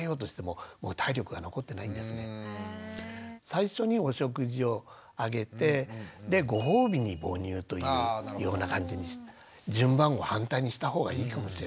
最初にお食事をあげてでご褒美に母乳というような感じに順番を反対にしたほうがいいかもしれません。